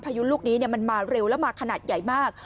ยุลูกนี้มันมาเร็วแล้วมาขนาดใหญ่มาก